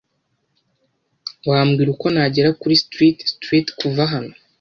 Wambwira uko nagera kuri Street Street kuva hano?